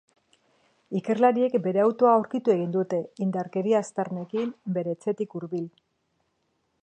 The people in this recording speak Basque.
Ikerlariek bere autoa aurkitu egin dute, indarkeria aztarnekin, bere etxetik hurbil.